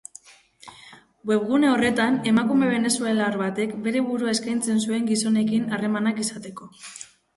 Webgune horretan, emakume venezuelar batek bere burua eskaintzen zuen gizonekin harremanak izateko.